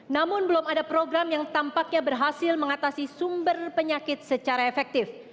namun belum ada program yang tampaknya berhasil mengatasi sumber penyakit secara efektif